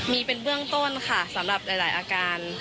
มีเป็นเบื้องต้นค่ะสำหรับหลายอาการ